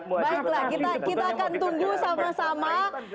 baiklah kita akan tunggu sama sama